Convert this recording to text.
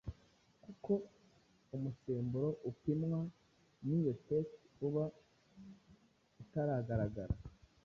kuko umusemburo upimwa n’iyo test uba utaragaragara